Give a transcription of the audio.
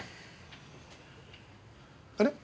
あれ？